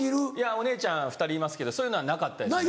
お姉ちゃん２人いますけどそういうのはなかったですね。